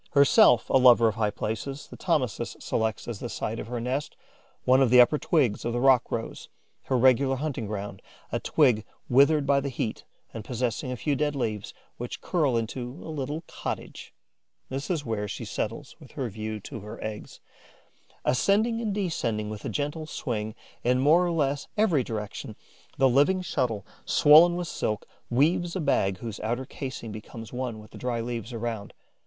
Herself a lover of high places, the Thomisus selects as the site of her nest one of the upper twigs of the rock rose, her regular hunting ground, a twig withered by the heat and possessing a few dead leaves, which curl into a little cottage. This is where she settles with a view to her eggs. Ascending and descending with a gentle swing in more or less every direction, the living shuttle, swollen with silk, weaves a bag whose outer casing becomes one with the dry leaves around.